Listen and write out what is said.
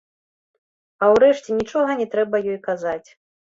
А ўрэшце, нічога не трэба ёй казаць.